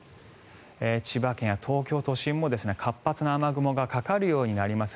千葉県や東京都心も活発な雨雲がかかるようになります。